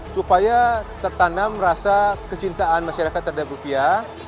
supaya tertanam rasa kecintaan masyarakat terhadap rupiah